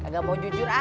gak mau jujur ah